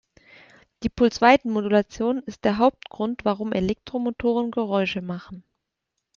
Die Pulsweitenmodulation ist der Hauptgrund, warum Elektromotoren Geräusche machen.